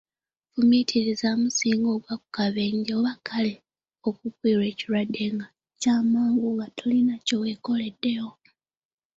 Fumiitirizaamu singa ogwa ku kabenje, oba kale okugwirwa ekirwadde ekyamangu nga tolina kyewekoleddewo!